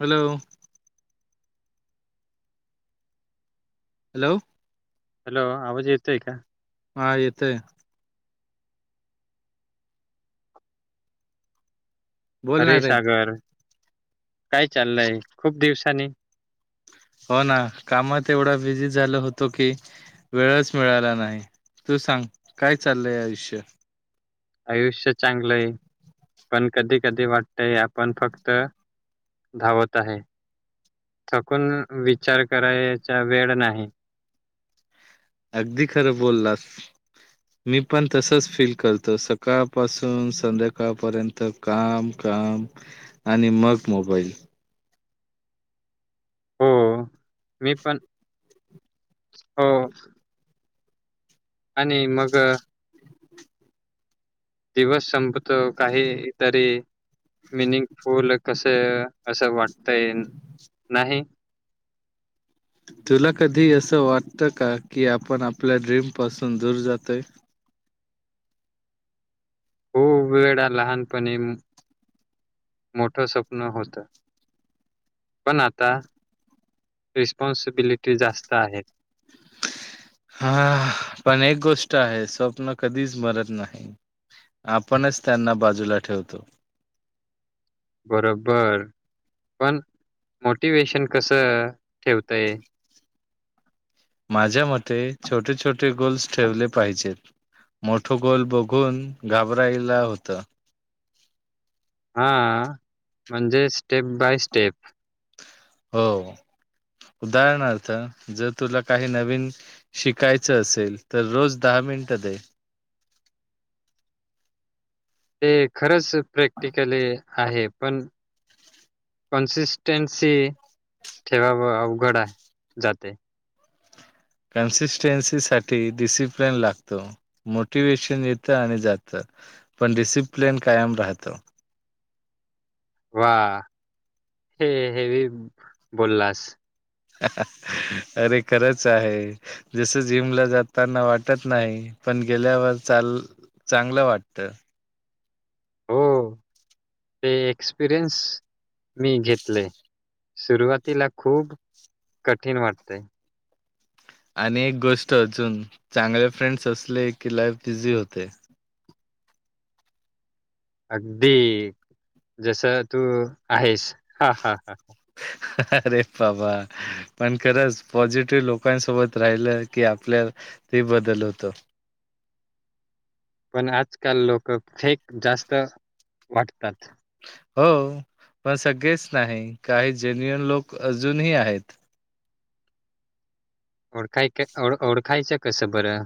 Hello hello hello आवाज येतोय का हा येतोय अरे बोलणार रे सागर काय चाललंय खूप दिवसानी हो ना कामात एवढा बिझी झालो होतो की वेळच मिळाला नाही तू सांग काय चाललंय आयुष्य आयुष्य चांगलंय पण कधी कधी वाटतंय आपण फक्त धावत आहे थकून विचार करायचा वेळ नाही अगदी खरं बोललास मी पण तसंच फिल करतो सकाळपासून संध्याकाळपर्यंत काम काम आणि मग मोबाईल हो मी पण हो आणि मग दिवस संपतो काही तरी मिनिंगफुल कसं असं वाटतंय नाही तुला कधी असं वाटतं का की आपण आपल्या ड्रीम पासून दूर जातोय. खूप वेगळा लहानपणी मोठ स्वप्न होतं. पण आता रिस्पॉन्सिबिलिटी जास्त आहेत. हा पण एक गोष्ट आहे स्वप्न कधीच मरत नाही. आपणच त्यांना बाजूला ठेवतो. बरोबर पण मोटिवेशन कसं ठेवतंय माझ्या मते छोटे छोटे गोल्स ठेवले पाहिजेत. मोठं गोल बघून घाबरायला होतं. हा म्हणजेच स्टेप बाय स्टेप. हो उदाहरणार्थ जर तुला काही नवीन शिकायचं असेल तर रोज दहा मिनटं दे ते खरंच प्रॅक्टिकली आहे पण कंन्सिस्टन्सी ठेवावं अवघड आहे जाते. कन्सिस्टन्सीसाठी डिसिप्लेन लागतो. मोटिवेशन येतं आणि जातं पण डिसिप्लेन कायम राहतो. वा हे हेवी बोललास. अरे खरंच आहे. जसं जिमला जाताना वाटत नाही पण गेल्यावर चाल चांगलं वाटतं. हो, ते एक्सपिरियन्स मी घेतले. सुरुवातीला खूप कठीण वाटतंय. आणि एक गोष्ट अजून चांगले फ्रेंड्स असले की लाईफ बिझी होते. अगदी जस तू आहेस हा हा ह. [inaudible] अरे बाबा. पण खरंच पॉझिटिव्ह लोकांसोबत राहिलं की आपल्या ते बदल होत. पण आजकाल लोक फेक जास्त वाटतात. हो पण सगळेच नाही काही जेन्युन लोक अजूनही आहेत. ओळखाय ओ ओळखायचं कसं बरं?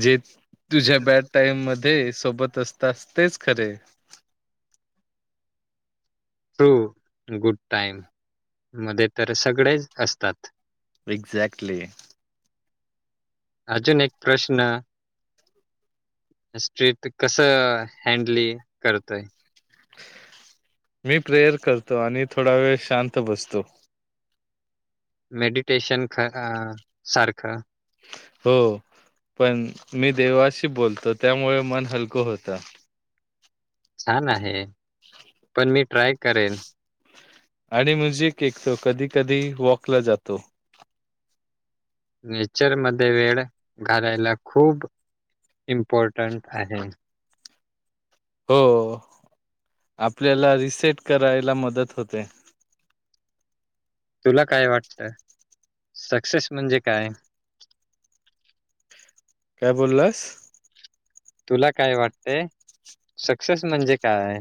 जे तुझ्या बॅड टाइम मध्ये सोबत अस तास तेच खरे. ट्रू गुड टाइम मध्ये तर सगळे असतात. एक्झॅक्टली. अजून एक प्रश्न स्ट्र्रीट कसं हँडली करतय? मी प्रेयर करतो आणि थोडा वेळ शांत बसतो. मेडिटेशन खरा सारखं. हो पण मी देवाशी बोलतो त्यामुळे मन हलकं होत. छान आहे, पण मी ट्राय करेन. आणि म्हणजे एकतो कधी-कधी वॉकला जातो. नेचरमध्ये वेळ घालायला खूप इम्पॉर्टंट आहे. हो आपल्याला रिसेट करायला मदत होते. तुला काय वाटतं सक्सेस म्हणजे काय? काय बोललास? तुला काय वाटतय सक्सेस म्हणजे काय?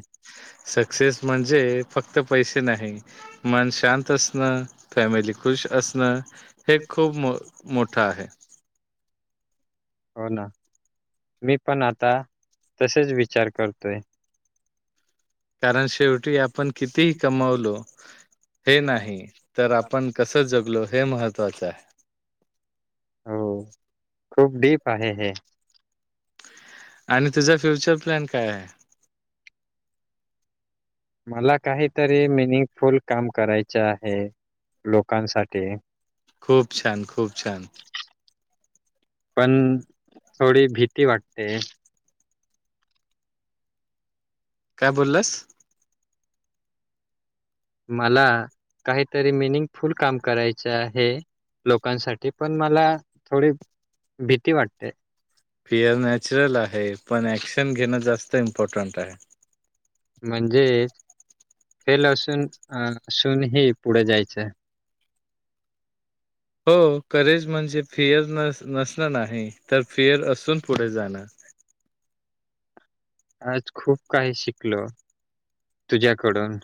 सक्सेस म्हणजे फक्त पैसे नाही मन शांत असणं, फॅमिली खुश असणं हे खूप मो मोठं आहे. हो ना मी पण आता तसेच विचार करतोय. कारण शेवटी आपण कितीही कमवलो हे नाही तर आपण कसं जगलो हे महत्त्वाचं आहे. हो खूप डीप आहे हे. आणि तुझा फ्युचर प्लॅन काय आहे? मला काहीतरी मिनिंगफुल काम करायच आहे लोकांसाठी. खूप छान, खूप छान. पण थोडी भिती वाटते. काय बोललास? मला काहीतरी मिनिंगफुल काम करायच आहे. लोकांसाठी पण मला थोडी भीती वाटते. फियर नॅचरूल आहे पण ऍक्शन घेणं जास्त इम्पॉर्टंट आहे. म्हणजे फेल अशुन अशुनही पुढे जायचं. हो करेज म्हणजे फियर नस नसणं नाही तर फियर असून पुढे जाणं. आज खूप काही शिकलो तुझ्याकडून.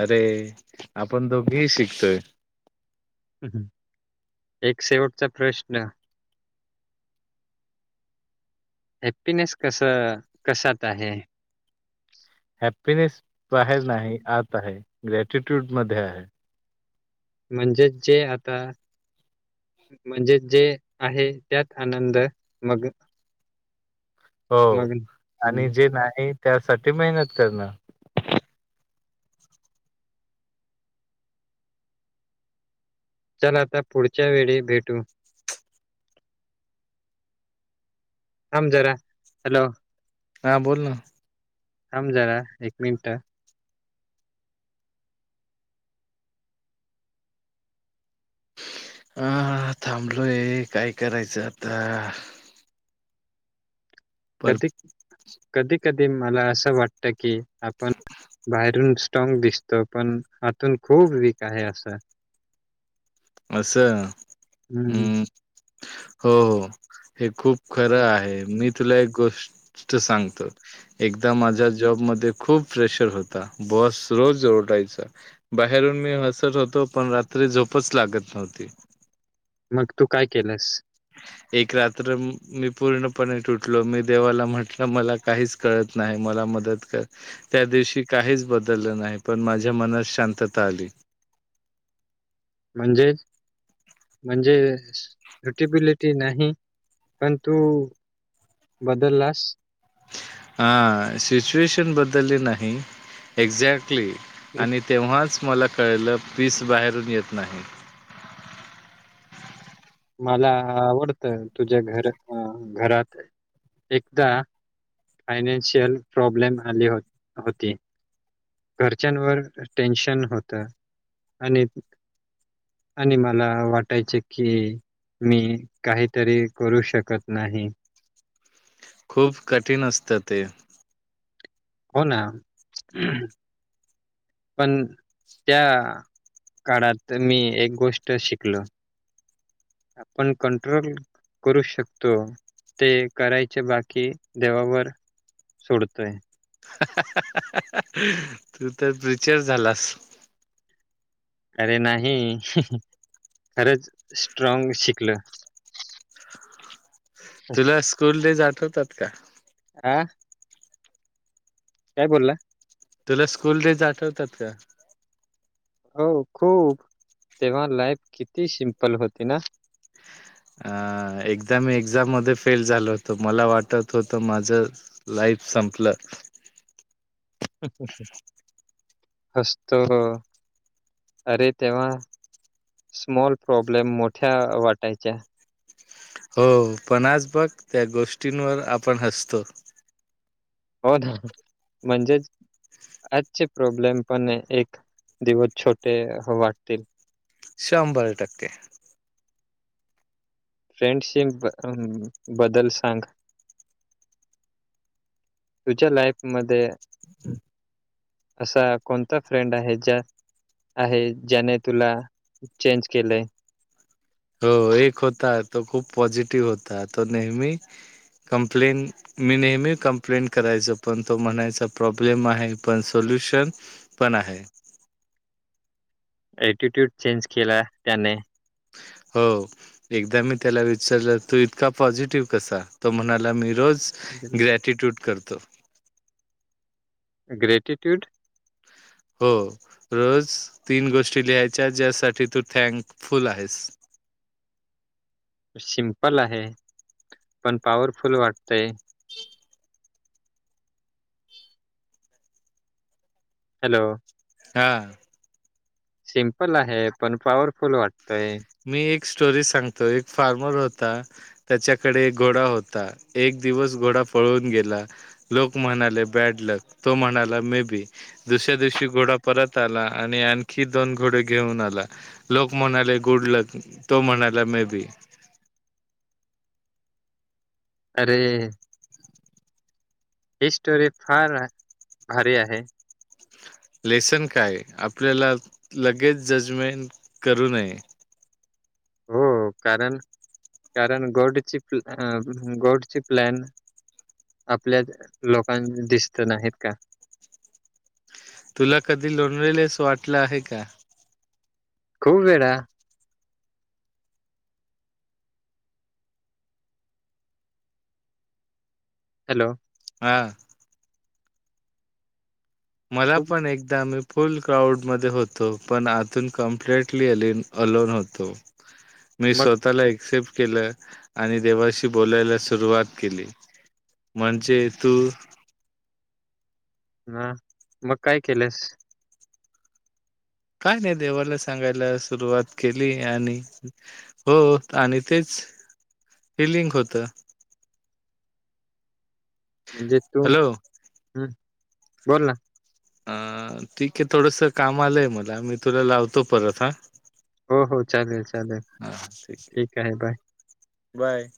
अरे आपण दोघी शिकलो. हम् एक शेवटचा प्रश्न. हॅप्पीनेस कस कशात आहे? हॅपिनेस बाहेर नाही आत आहे ग्रॅटिट्यूड मध्ये आहे. म्हणजेच जे आता म्हणजे जे आहे त्यात आनंद मग हो मग आणि हम्म जे नाही त्यासाठी मेहनत करणं. चला आता पुढच्या वेळी भेटू. थांब जरा हॅलो. हां बोल ना. थांब जरा एक मिनिटं. हा थांबलोय काय करायचं आता? पर कधी, कधी कधी मला असं वाटतं की [inaudible] बाहेरुन स्ट्रॉग दिसतो पण आातून खूप वीक आहे असं. असं हम्म. हो, हो हे खूप खरं आहे. मी तुला एक गोष् ट सांगतो. एकदा माझ्या जॉबमध्ये खूप प्रेशर होता, बाॅस रोज ओरडायचा, बाहेरून मी हसत होतो पण रा त्री झोपचं लागत नव्हती. मग तू काय केलंस? एक रात्र अंम मी पूर्णपणे तुटलो, मी देवाला म्हंटलं मला काहीचं कळत नाही मला मदत कर. त्या दिवशी काहीचं बदललं नाही, पण माझ्या मनात शांतता आली. म्हणजे? म्हणजे सुटेबिलिटी नाही पण तु बदललास? हा सिचुएशन बदलली नाही, एक्झॅक्टली आणि तेव्हाच मला कळलं पीस बाहेरून येत नाही. मला आवडतं तुझं घर अं घरातले. एकदा फायनॅन्शियल प्रॉब्लेम आले हो होते. घरच्यांवर टेन्शन होतं आणि आणि मला वाटायचे की मी काहीतरी करू शकत नाही. खूप कठीण असतं ते. हो ना, पण त्या काळात मी एक गोष्ट शिकलो. आपण कंट्रोल करू शकतो. ते करायचे बाकी, देवावर सोडतोय. तू तर [unintelligible] झालास. अरे नाही, खरंच स्ट्रॉंग शिकलं. तुला स्कूल डेज आठवतात का? आ? काय बोलला? तुला स्कूल डेज आठवतात का? हो खूप, तेव्हा लाईफ किती शिंमपल होती ना? अं एकदा मी एक्झाममध्ये फेल झालो होतो, मला वाटत होतं माझं लाईफ संपलं. हसतो. अरे तेंव्हा, स्मॉल प्रॉब्लेम मोठ्या वाटायच्या. हो, पण आज बघ त्या गोष्टींवर आपण हसतो. हो ना, म्हणजेच आजचे प्रॉब्लेम पण एक दिवस छोटे वाटतील. शंभर टक्के. फ्रेंडशिप बदल बद्दल सांग? तुझ्या लाईफ मध्ये असा कोणता फ्रेंड आहे ज्या आहे, ज्याने तुला चेंज केलंय? हो एक होता, तो खूप पॉझिटिव्ह होता, तो नेहमी कंप्लेन मी नेहमी कंप्लेंट करायचो, पण तो म्हणायचा प्रॉब्लेम आहे पण सोल्युशन पण आहे. ॲटिट्यूड चेंज केला त्याने. हो. एकदा मी त्याला विचारलं तू इतका पॉझिटिव्ह कसा? तो म्हणाला मी रोज ग्रॅटिट्यूड करतो. ग्रेटिट्यूड? हो रोज तीन गोष्टी लिहायच्या ज्यासाठी तू थँंकफुल आहेस. सिमपल आहे पण पॉवरफुल वाटतय. हम [inaudible] हॅलो. हा. सिम्पल आहे पण पॉवरफुल वाटतोय. मी एक स्टोरी सांगतो एक फार्मर होता त्याच्याकडे एक घोडा होता. एक दिवस घोडा पळून गेला. लोक म्हणाले बॅड लक तो म्हणाला मे बी दुसऱ्या दिवशी घोडा परत आला आणि आणखी दोन घोडे घेऊन आला लोक म्हणाले गुड लक तो म्हणाला मे बी. अरे. ही स्टोरी फार भारी आहे. लेसन काय आहे आपल्याला लगेच जजमेंट करू नये. हो कारण, कारण गोडची, गोडची प्लॅन. आपल्या लोकांना दिसत नाहीत का? तुला कधी लोणलेले असं वाटलं आहे का? खूप वेळा. हॅलो. हां. मला खूप पण एकदा मी फुल क्राउडमध्ये होतो पण आतून कम्प्लिटली अलिन अलोन होतो. मी मग स्वतःला एक्सेप्ट केलं. आणि देवाशी बोलायला सुरुवात केली म्हणजे तू हम्म, मग काय केलंस? काय त्या देवाला सांगायला सुरुवात केली आणि हो आणि तेच, ते लिंक होत. म्हणजे तू, हॅलो हम्म बोल ना. अ ठीकये थोडंसं काम आलंय मला मी तुला लावतो परत हां. हो हो चालेल. चालेल. हा ठीकये ठीक आहे. बाय. बाय.